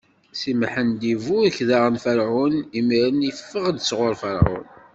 Si Mḥemmed iburek daɣen Ferɛun, imiren iffeɣ-d sɣur Ferɛun.